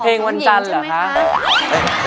วันจันทร์เหรอคะ